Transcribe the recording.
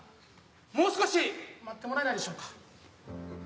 もう少し待ってもらえないでしょうか。